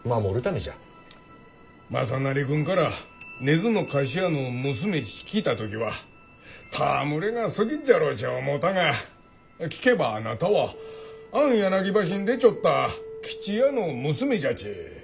雅修君から根津の菓子屋の娘ち聞いた時は戯れがすぎっじゃろうち思ったが聞けばあなたはあん柳橋に出ちょった吉也の娘じゃち。